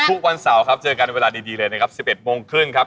ทุกวันเสาร์ครับเจอกันเวลาดีเลยนะครับ๑๑โมงครึ่งครับ